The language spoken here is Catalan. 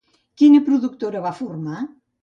Quina productora va formar?